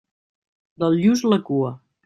Del lluç, la cua.